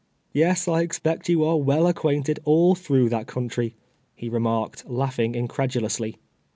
" Yes, I expect you are well acquainted all through that country," he remarked, laughing incredulously.